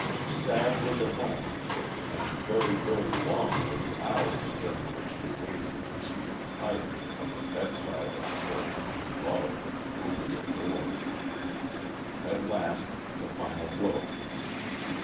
Sad were the moments, and very, very long were the hours during which he awaited the receipt of tidings from the bedside of her whom he loved ; whom he adored. At last the final blow came.